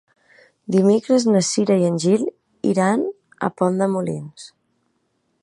Dimecres na Cira i en Gil iran a Pont de Molins.